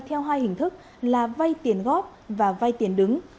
theo hai hình thức là vay tiền góp và vay tiền đứng